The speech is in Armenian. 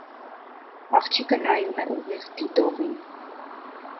Աղջիկը նայում է ուղիղ դիտողին։